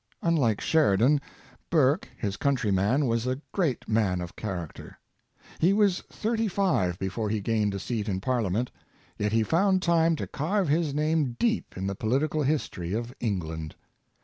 Unlike Sheridan, Burke, his countryman, was a great 68 Sherida7i and Burke. man of character. He was thirty five before he gained a seat in ParHament, yet he found time to carve his name deep in the poHtical history of England.